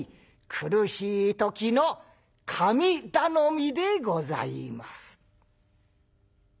苦しい時の神頼みでございます」。